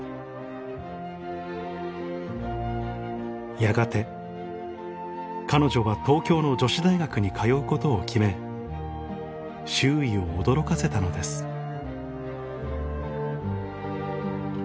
やがて彼女は東京の女子大学に通うことを決め周囲を驚かせたのです明治